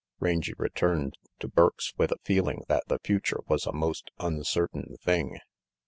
Rangy returned to Burke's with a feeling that the future was a most uncertain thing.